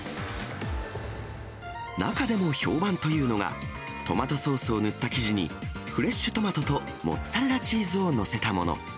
中でも評判というのが、トマトソースを塗った生地にフレッシュトマトとモッツァレラチーズを載せたもの。